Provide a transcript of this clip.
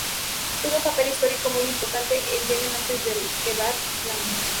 Tuvo un papel histórico muy importante en Yemen antes de la edad islámica.